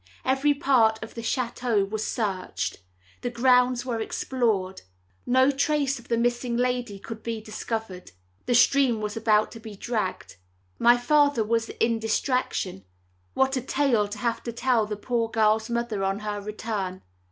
Every part of the chateau was searched. The grounds were explored. No trace of the missing lady could be discovered. The stream was about to be dragged; my father was in distraction; what a tale to have to tell the poor girl's mother on her return.